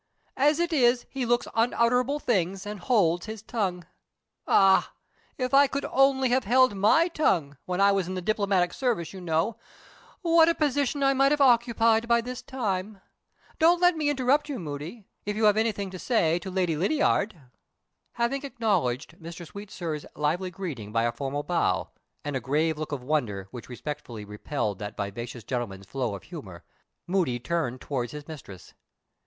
As it is, he looks unutterable things, and holds his tongue. Ah! if I could only have held my tongue when I was in the diplomatic service, you know what a position I might have occupied by this time! Don't let me interrupt you, Moody, if you have anything to say to Lady Lydiard." Having acknowledged Mr. Sweetsir's lively greeting by a formal bow, and a grave look of wonder which respectfully repelled that vivacious gentleman's flow of humor, Moody turned towards his mistress.